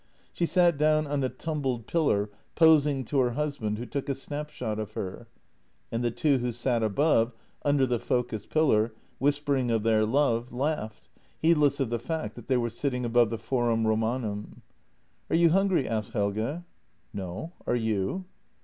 She sat down on a tumbled pillar, posing to her husband, who took a snapshot of her. And the two who sat above, under the Focas pillar, whis pering of their love, laughed, heedless of the fact that they were sitting above the Forum Romanum. " Are you hungry? " asked Helge. " No; are you?